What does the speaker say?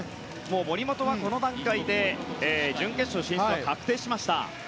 森本は、この段階で準決勝進出は確定しました。